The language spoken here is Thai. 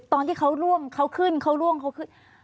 ตอนที่เขาร่วงเขาขึ้นเขาร่วงเขาขึ้น